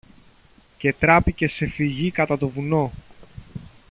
και τράπηκε σε φυγή κατά το βουνό.